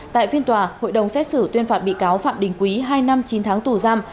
tại phiên tòa hội đồng xét xử tuyên phạt bị cáo phạm đình quý hai năm chín tháng tù giam